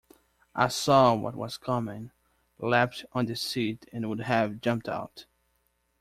I saw what was coming, leapt on the seat and would have jumped out.